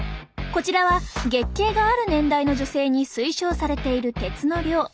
こちらは月経がある年代の女性に推奨されている鉄の量。